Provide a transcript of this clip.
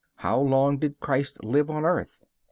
How long did Christ live on earth?